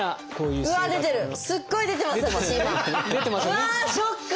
うわショック！